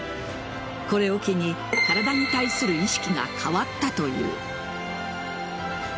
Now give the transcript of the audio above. これを機に、体に対する意識が変わったという。